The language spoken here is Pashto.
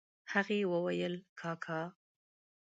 هغې وويل کاکا.